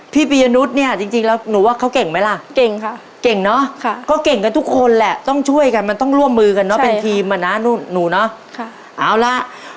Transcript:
พี่ปียนุสเนี่ยจริงแล้วหนูว่าเขาเก่งไหมล่ะ